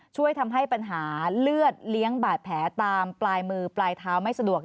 ช่วยทำให้ปัญหาเลือดเลี้ยงบาดแผลตามปลายมือปลายเท้าไม่สะดวก